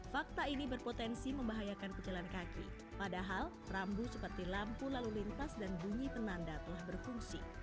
fakta ini berpotensi membahayakan pejalan kaki padahal rambu seperti lampu lalu lintas dan bunyi penanda telah berfungsi